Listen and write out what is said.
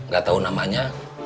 gak tau namanya